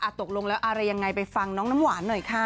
ตกลงแล้วอะไรยังไงไปฟังน้องน้ำหวานหน่อยค่ะ